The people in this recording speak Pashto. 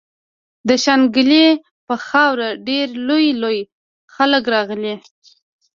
د شانګلې پۀ خاوره ډېر لوئ لوئ خلق راغلي